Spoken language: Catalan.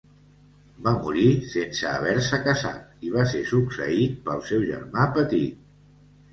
Va morir sense haver-se casat i va ser succeït pel seu germà petit.